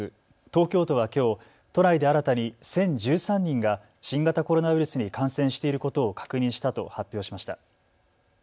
東京都はきょう都内で新たに１０１３人が新型コロナウイルスに感染していることを確認したと発表しました。